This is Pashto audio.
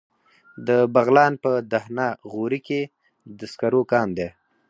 د بغلان په دهنه غوري کې د سکرو کان دی.